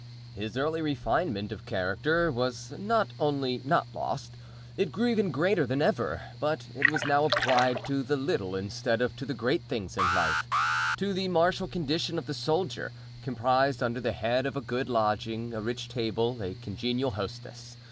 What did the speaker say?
His early refinement of character was not only not lost, it grew even greater than ever; but it was now applied to the little, instead of to the great things of life—to the martial condition of the soldier—comprised under the head of a good lodging, a rich table, a congenial hostess.